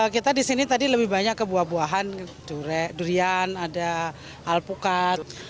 kita di sini tadi lebih banyak ke buah buahan durian ada alpukat